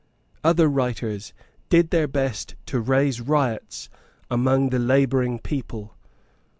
Other writers did their best to raise riots among the labouring people.